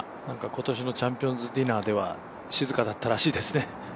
今年のチャンピオンズディナーでは静かだったらしいですね。